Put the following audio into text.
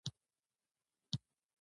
اوس د هغې مرستې نتیجه معلومه شوه.